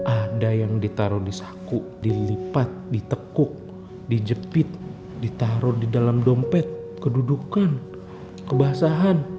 ada yang ditaruh di saku dilipat ditekuk dijepit ditaruh di dalam dompet kedudukan kebasahan